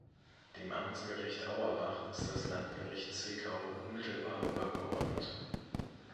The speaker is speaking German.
Dem Amtsgericht Auerbach ist das Landgericht Zwickau unmittelbar übergeordnet.